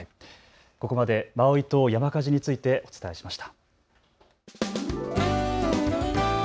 ここまでマウイ島、山火事についてお伝えしました。